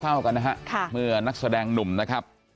เศร้ากันนะฮะเมื่อนักแสดงหนุ่มนะครับ